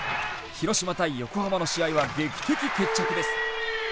広島対横浜の試合は劇的決着です。